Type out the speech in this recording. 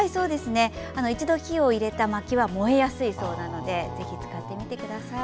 一度火を入れたまきは燃えやすいそうなのでぜひ使ってみてください。